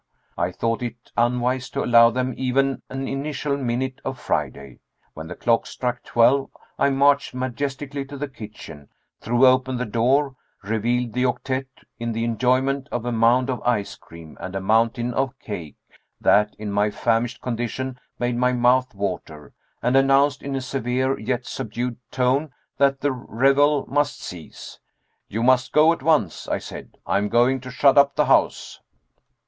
I thought it unwise to allow them even an initial minute of Friday. When the clock struck twelve, I marched majestically to the kitchen, threw open the door, revealed the octette in the enjoyment of a mound of ice cream and a mountain of cake that in my famished condition made my mouth water and announced in a severe, yet subdued tone, that the revel must cease. "You must go at once," I said, "I am going to shut up the house."